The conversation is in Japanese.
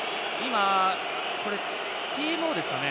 ＴＭＯですかね。